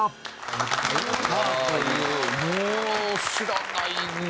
もう知らない。